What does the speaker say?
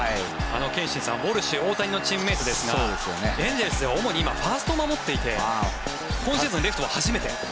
憲伸さん、ウォルシュ大谷のチームメートですがエンゼルスでは主にファーストを守っていて今シーズン、レフトは初めて。